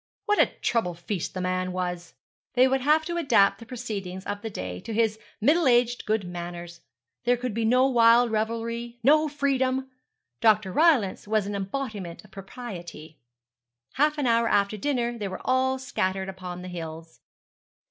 What a trouble feast the man was. They would have to adapt the proceedings of the day to his middle aged good manners. There could be no wild revelry, no freedom. Dr. Rylance was an embodiment of propriety. Half an hour after dinner they were all scattered upon the hills.